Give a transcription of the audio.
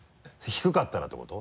低かったらってこと？